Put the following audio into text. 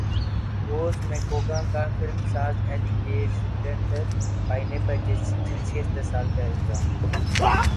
روز McGowan کا film ساز Alexander Payne پرجنسی استحصال کا الزام